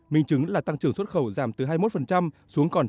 mình chứng là tăng trưởng xuất khẩu giảm từ hai mươi một xuống còn lại